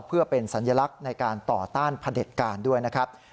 เพื่อเป็นสัญลักษณ์ในการต่อต้านพระเด็จการด้วยนะครับ